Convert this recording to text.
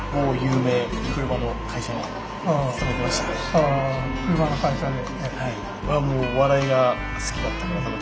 ああ車の会社で。